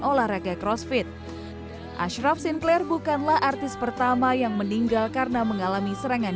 olahraga crossfit ashraf sinclair bukanlah artis pertama yang meninggal karena mengalami serangan